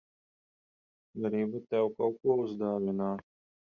Gribu tev kaut ko uzdāvināt.